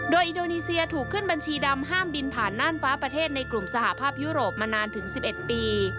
โดยอินโดนีเซียถูกขึ้นบัญชีดำห้ามบินผ่านน่านฟ้าประเทศในกลุ่มสหภาพยุโรปมานานถึง๑๑ปี